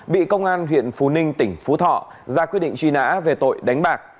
bị công an huyện phú ninh tỉnh phú thọ ra quyết định truy nã về tội đánh bạc